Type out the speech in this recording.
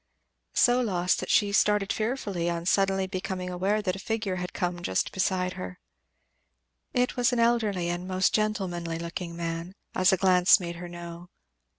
So lost, that she started fearfully on suddenly becoming aware that a figure had come just beside her. It was an elderly and most gentlemanly looking man, as a glance made her know.